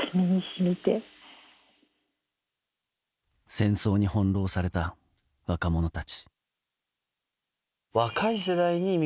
戦争に翻弄された若者たち。